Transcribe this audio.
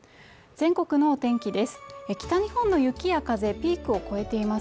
全国のお天気です